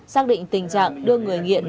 xác định tình trạng đưa người nghiện